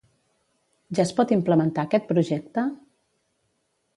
Ja es pot implementar aquest projecte?